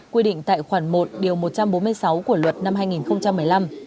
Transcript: quy định tại khoản một điều một trăm bốn mươi sáu của luật năm hai nghìn một mươi năm